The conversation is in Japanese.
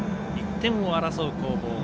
１点を争う攻防。